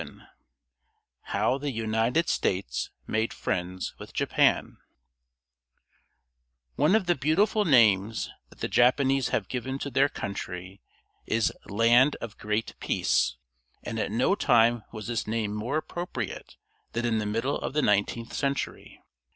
IX HOW THE UNITED STATES MADE FRIENDS WITH JAPAN One of the beautiful names that the Japanese have given to their country is "Land of Great Peace," and at no time was this name more appropriate than in the middle of the nineteenth century.